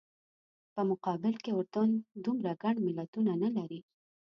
په مقابل کې اردن دومره ګڼ ملتونه نه لري.